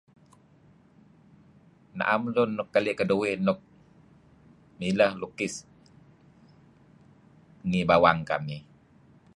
Naem lun nuk keli' keduih nuk mileh lukis ngi bawang kamih.